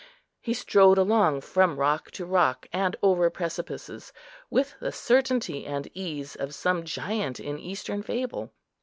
He strode along from rock to rock, and over precipices, with the certainty and ease of some giant in Eastern fable.